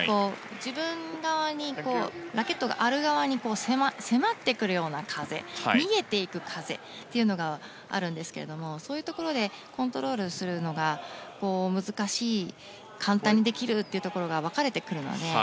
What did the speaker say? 自分側に、ラケットがある側に迫ってくるような風逃げていく風というのがあるんですけれどもそういうところでコントロールするのが難しい簡単にできるっていうところが分かれてくるので。